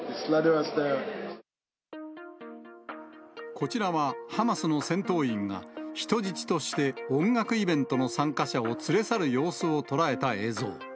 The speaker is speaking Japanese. こちらはハマスの戦闘員が、人質として音楽イベントの参加者を連れ去る様子を捉えた映像。